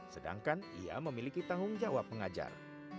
sedangkan ia memiliki tanggung jawab mengajar